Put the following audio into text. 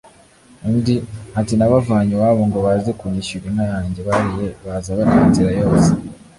undi, ati: «nabavanye iwabo ngo baze kunyishyura inka yanjye bariye baza barira inzira yose»